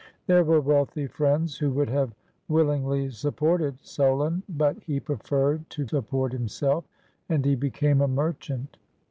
There were wealthy friends who would have willingly supported Solon, but he preferred to support himself, and he became a mer chant.